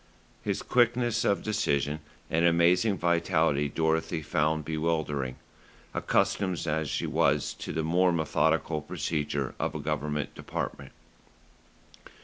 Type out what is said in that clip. His quickness of decision and amazing vitality Dorothy found bewildering, accustomed as she was to the more methodical procedure of a Government department.